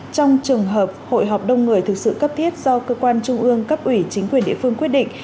trong trường hợp hội họp đông người thực sự cấp thiết do cơ quan trung ương cấp ủy chính quyền địa phương quyết định